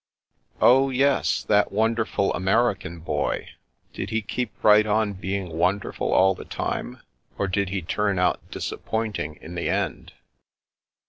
" Oh, yes, that wonderful American boy. Did he keep right on being wonderful all the time, or did he turn out disappointing in the end